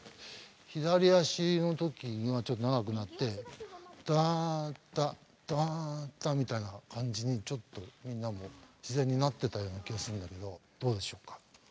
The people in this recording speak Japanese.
左足の時にはちょっと長くなってタタタタみたいな感じにちょっとみんなも自然になってたような気がするんだけどどうでしょうか？